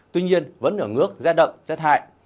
tuy nhiên vẫn ở ngước rét đậm rét hại